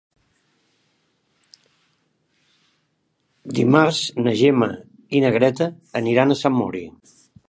Dimarts na Gemma i na Greta aniran a Sant Mori.